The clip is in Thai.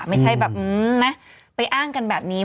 ไม่ใช่แบบนะไปอ้างกันแบบนี้